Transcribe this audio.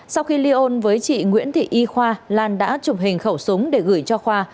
sau khi ly hôn với chị nguyễn thị y khoa lan đã chụp hình khẩu súng để gửi cho khoa